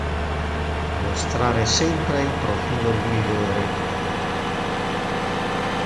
Mostrare sempre il profilo migliore.